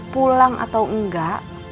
pulang atau enggak